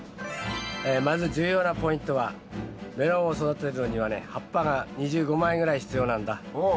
まず重要なポイントはメロンを育てるのにはね葉っぱが２５枚ぐらい必要なんだ。